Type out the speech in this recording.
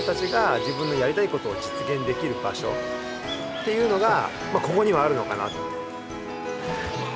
というのがここにはあるのかなって。